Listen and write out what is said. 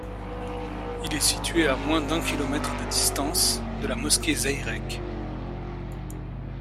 Il est situé à moins d'un kilomètre de distance de la mosquée Zeyrek.